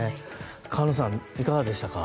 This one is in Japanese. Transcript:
菅野さん、いかがでしたか？